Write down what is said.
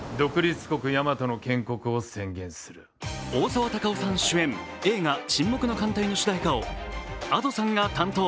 大沢たかおさん主演、映画「沈黙の艦隊」の主題歌をＡｄｏさんが担当。